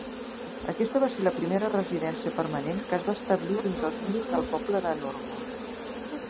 Aquesta va ser la primera residència permanent que es va establir dins els límits del poble de Norwalk.